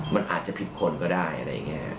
มันอาจจะผิดคนก็ได้อะไรอย่างนี้